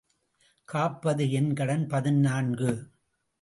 காப்பது என் கடன் பதினான்கு .